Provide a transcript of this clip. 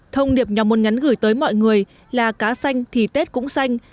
thông điệp nhóm môn ngắn gửi tới mọi người là cá xanh thì tết cũng xanh